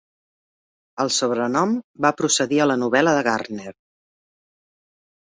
El sobrenom va procedir a la novel·la de Gardner.